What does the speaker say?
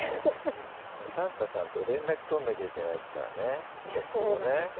サンタさんと連絡取んなきゃいけないですからねそうなんですよ